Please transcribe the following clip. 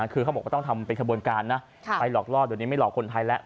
คือเขาบอกว่าต้องทำเป็นขบวนการนะไปหลอกล่อเดี๋ยวนี้ไม่หลอกคนไทยแล้ว